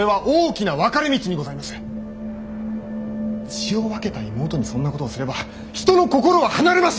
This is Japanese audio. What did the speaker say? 血を分けた妹にそんなことをすれば人の心は離れます！